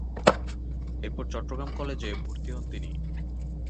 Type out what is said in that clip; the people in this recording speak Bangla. এরপর চট্টগ্রাম কলেজে ভর্তি হন তিনি।